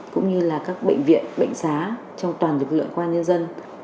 cũng như là các bệnh viện bệnh giá trong toàn lực lượng qua nhân dân